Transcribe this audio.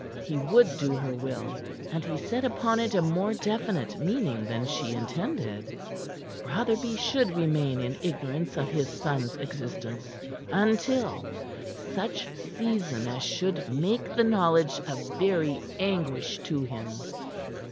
He would do her will, and he set upon it a more definite meaning than she intended. Rotherby should remain in ignorance of his son's existence until such season as should make the knowledge a very anguish to him.